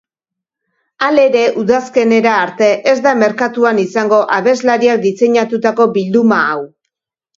Halere, udazkenera arte ez da merkatuan izango abeslariak diseinatutako bilduma hau.